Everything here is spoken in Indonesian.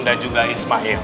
dan juga ismail